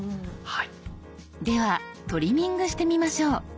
ではトリミングしてみましょう。